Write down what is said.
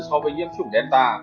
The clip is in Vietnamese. so với nhiễm chủng delta